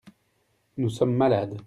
Nous sommes malades.